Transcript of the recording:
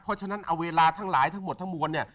เพราะฉะนั้นเอาเวลาทั้งหลายทั้งหมดทั้งมวลเนี่ย